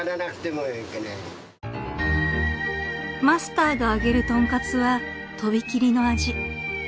［マスターが揚げる豚カツはとびきりの味］